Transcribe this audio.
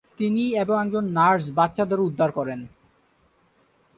তিনি এবং একজন নার্স বাচ্চাদের উদ্ধার করেন।